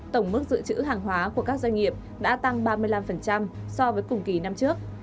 tổng mức dự trữ hàng hóa của các doanh nghiệp đã tăng ba mươi năm so với cùng kỳ năm trước